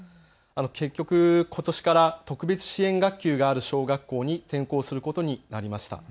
結局ことしから特別支援学級がある小学校に転校することになりました。